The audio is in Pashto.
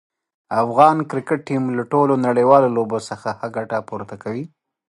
افغان کرکټ ټیم له ټولو نړیوالو لوبو څخه ښه ګټه پورته کوي.